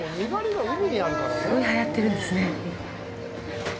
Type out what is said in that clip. すごい、はやってるんですね。